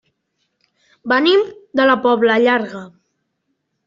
Venim de la Pobla Llarga.